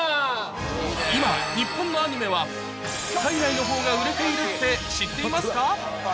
今、日本のアニメは海外のほうが売れているって知っていますか？